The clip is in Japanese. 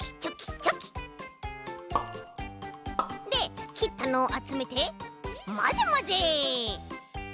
できったのをあつめてまぜまぜ。